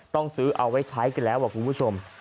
ต้องซื้อเอาไว้ใช้กันแล้วคุณผู้ชม